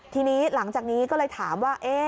ทีนี้หลังจากนี้ก็เลยถามว่า